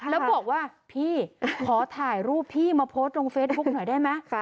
แล้วบอกว่าพี่ขอถ่ายรูปพี่มาโพสต์ลงเฟซบุ๊กหน่อยได้ไหม